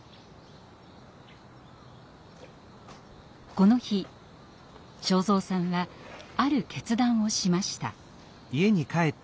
この日正三さんはある決断をしました。